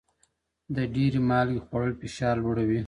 د ډېرې مالګې خوړل فشار لوړوي.